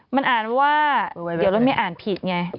มันอ่านว่าเดี๋ยวรถไม่อ่านผิดไง